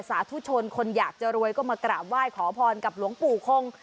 สาธุชนคนอยากจะรวยก็มากราบไหว้ขอพรกับหลวงปู่คง